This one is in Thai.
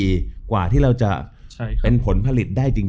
ดีกว่าที่เราจะเป็นผลผลิตได้จริง